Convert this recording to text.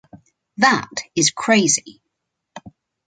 That is crazy.